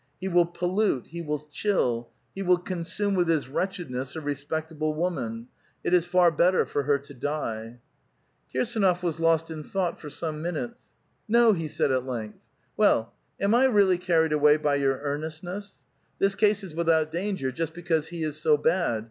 He will pollute, he will chill, he will consume with his wretchedness a respectable woman ; it is far better for her to die. Kirsdnof Was lost in thought for some minutes. "No," he said at length. " Well, am I really carried away by your earnestness? This case is without danger just because he is so bad.